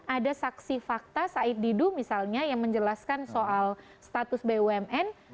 ada saksi fakta said didu misalnya yang menjelaskan soal status bumn